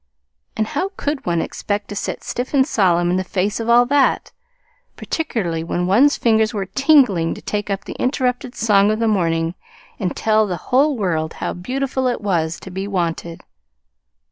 And how could one expect to sit stiff and solemn in the face of all that, particularly when one's fingers were tingling to take up the interrupted song of the morning and tell the whole world how beautiful it was to be wanted!